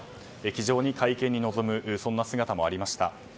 気丈に会見に臨む姿もありました。